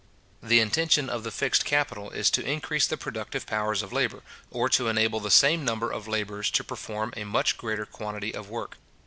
The intention of the fixed capital is to increase the productive powers of labour, or to enable the same number of labourers to perform a much greater quantity of work.